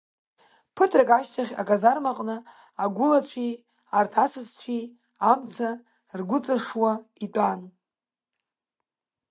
Ԥыҭрак ашьҭахь, аказармаҟны, агәылацәеи арҭ асасцәеи амца ргәыҵаршуа итәан.